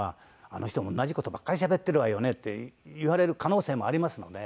「あの人同じ事ばっかりしゃべってるわよね」って言われる可能性もありますので。